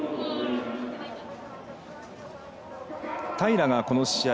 平良がこの試合